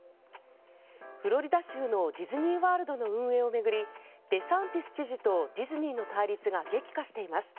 フロリダ州のディズニー・ワールドの運営を巡りデサンティス知事とディズニーの対立が激化しています。